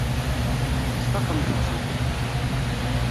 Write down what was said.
Tesfaqemt-tt-id.